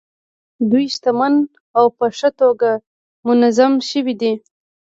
دوی شتمن او په ښه توګه منظم شوي دي.